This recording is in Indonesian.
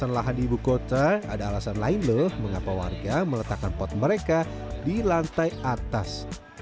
ada alasan lain mengapa warga meletakkan pot mereka di lantai atas